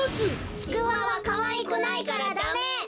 ちくわはかわいくないからダメ！